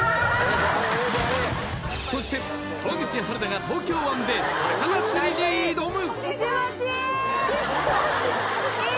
そして川口春奈が東京湾で魚釣りに挑む！